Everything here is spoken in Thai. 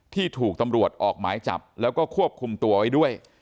ที่ถูกตำรวจออกหมายจับแล้วก็ควบคุมตัวไว้ด้วย